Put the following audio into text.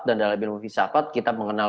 dan dalam imovisafat kita mengenal